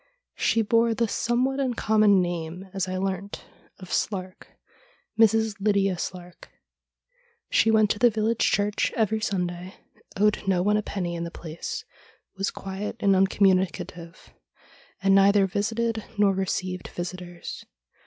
She bore the somewhat uncommon name, as I learnt, of Slark — Mrs. Lydia Slark. She went to the village church every Sunday, owed no one a penny in the place, was quiet and uncommuni cative, and neither visited nor received visitors.